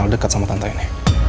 lu kenal dekat sama tante ini